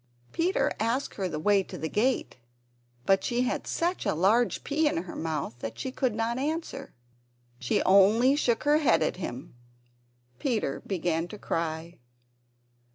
Peter asked her the way to the gate, but she had such a large pea in her mouth that she could not answer. She only shook her head at him. Peter began to cry.